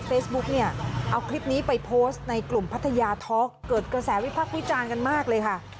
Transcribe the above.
เฟซบุ๊คเนี่ยเอาคลิปนี้ไปโพสต์ในกลุ่มพัทยาทอล์กเกิดกระแสวิภาคคุยจานกันมากเลยค่ะ